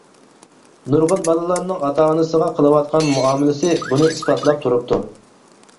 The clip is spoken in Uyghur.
نۇرغۇن بالىلارنىڭ ئاتا-ئانىسىغا قىلىۋاتقان مۇئامىلىسى بۇنى ئىسپاتلاپ تۇرۇپتۇ.